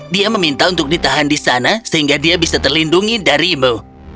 dia meminta untuk ditahan di sana sehingga dia bisa terlindungi darimu